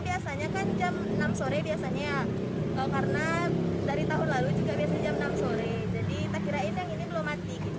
biasanya kan jam enam sore biasanya kalau karena dari tahun lalu juga biasanya